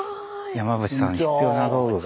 山伏さんに必要な道具が。